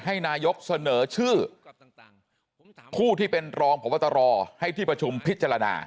ให้นายกเสนอชื่อผู้ที่เป็นรองพบตรให้ที่ประชุมพิจารณา